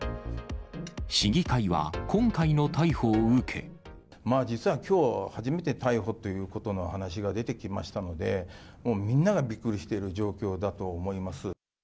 市議会は、実はきょう初めて逮捕っていうことの話が出てきましたので、みんながびっくりしている状況だと思います。